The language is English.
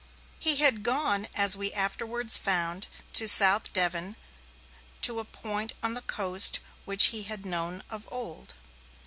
He had gone, as we afterwards found, to South Devon, to a point on the coast which he had known of old.